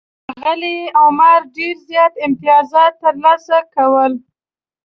ښاغلي عمر ډېر زیات امتیازات ترلاسه کول.